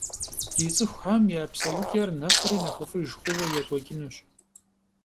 Ди цӏыхухэм я псэукӏэр нэхъри нэхъыфӏыж хъууэ екӏуэкӏынущ.